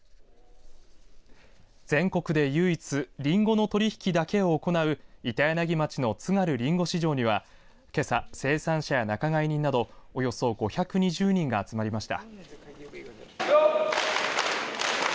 全国で唯一リンゴの取引だけを行う板柳町の津軽りんご市場にはけさ、生産者や仲買人などおよそ５２０人が集まりました。